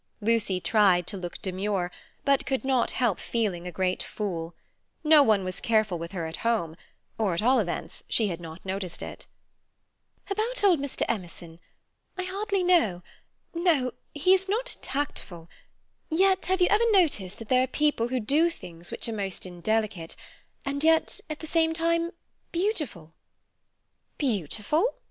Lucy tried to look demure, but could not help feeling a great fool. No one was careful with her at home; or, at all events, she had not noticed it. "About old Mr. Emerson—I hardly know. No, he is not tactful; yet, have you ever noticed that there are people who do things which are most indelicate, and yet at the same time—beautiful?" "Beautiful?"